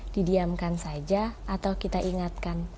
didiamkan saja atau kita ingatkan